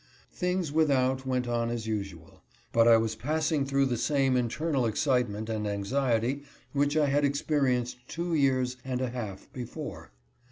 Things without went on as usual ; but I was passing through the same internal excitement and anxiety which I had experienced two years and a half before.